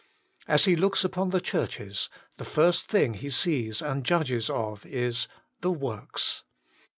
As He looks upon the churches, the first thing He sees and judges of is — the works.